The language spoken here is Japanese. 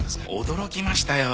驚きましたよ。